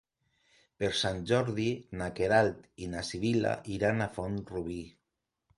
Per Sant Jordi na Queralt i na Sibil·la iran a Font-rubí.